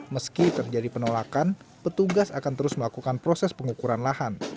meski terjadi penolakan petugas akan terus melakukan proses pengukuran lahan